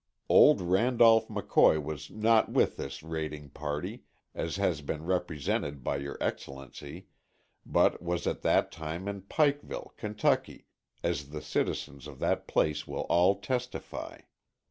Old Randolph McCoy was not with this raiding party, as has been represented to your Excellency, but was at that time in Pikeville, Kentucky, as the citizens of that place will all testify.